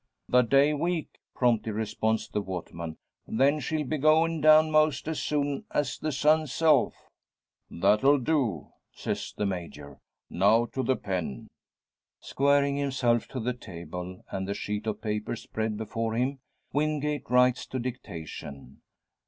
"The day week," promptly responds the waterman. "Then she'll be goin' down, most as soon as the sun's self." "That'll do," says the Major. "Now to the pen!" Squaring himself to the table, and the sheet of paper spread before him, Wingate writes to dictation.